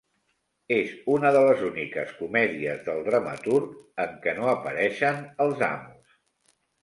És una de les úniques comèdies del dramaturg en què no apareixen els amos.